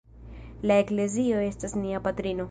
La Eklezio estas nia patrino.